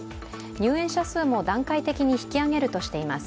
入園者数も段階的に引き上げるとしています。